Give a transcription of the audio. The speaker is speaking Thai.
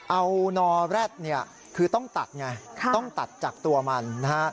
เอานอแร็ดเนี่ยคือต้องตัดไงต้องตัดจากตัวมันนะฮะ